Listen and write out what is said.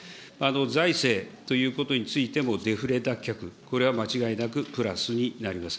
財政ということについてもデフレ脱却、これは間違いなくプラスになります。